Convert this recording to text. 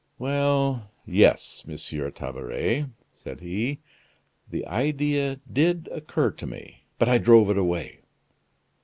"Well, yes, Monsieur Tabaret," said he, "the idea did occur to me; but I drove it away."